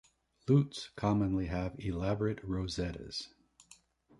Lutes commonly have elaborate rosettes.